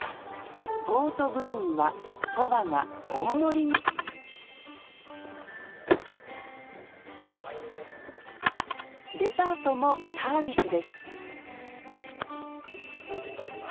ボート部員はそばが大盛りにデザートもサービスです！